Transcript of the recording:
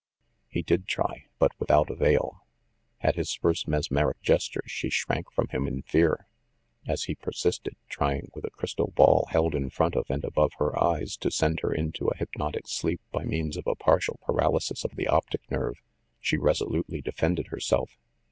He did try, but without avail. At his first mesmeric gestures she shrank from him in fear. As he persisted, trying with a crystal ball held in front of and above her eyes, to send her into a hypnotic sleep by means of a partial paralysis of the optic nerve, she resolutely defended herself.